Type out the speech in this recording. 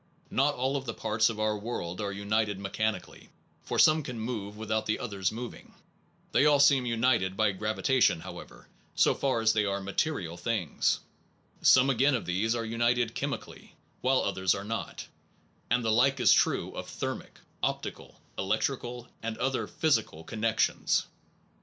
Not all the parts of our world are united mechanically, for some can move without the others moving. They all seem united by gravitation, however, so far as Kinds of they are material things. Some again oneness o f ^hese are un ited chemically, while others are not; and the like is true of thermic, optical, electrical, and other physical connec tions.